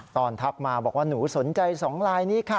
ทักมาบอกว่าหนูสนใจ๒ลายนี้ค่ะ